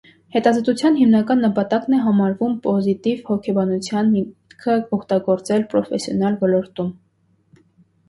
Հետազոտության հիմնական նպատակն է համարվում պոզիտիվ հոգեբանության միտքը օգտագործել պրոֆեսիոնալ ոլորտում։